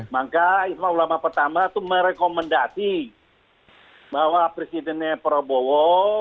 maka ismaul ulama pertama itu merekomendasi bahwa presidennya prabowo